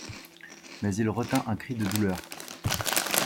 Mais il retint un cri de douleur.